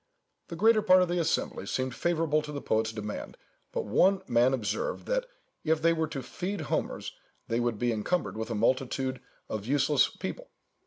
The greater part of the assembly seemed favourable to the poet's demand, but one man observed that "if they were to feed Homers, they would be encumbered with a multitude of useless people."